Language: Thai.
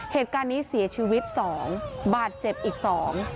เหตุการณ์นี้เสียชีวิตสองบาดเจ็บอีกสอง